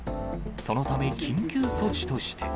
そのため、緊急措置として。